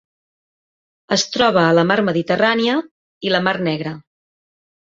Es troba a la Mar Mediterrània i la Mar Negra.